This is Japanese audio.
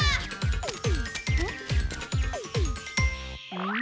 うん。